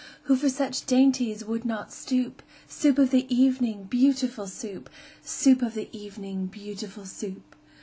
Who for such dainties would not stoop? Soup of the evening, beautiful Soup! Soup of the evening, beautiful Soup!